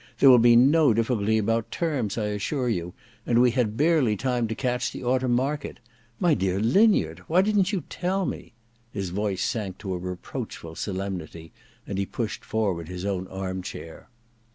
There will be no difficulty about terms, I assure you, and we had barely time to catch the autumn market. My dear linyard, why didn't you fell me ?' His voice sank to a reproachful solemnity, and he pushed forward his own arm chair.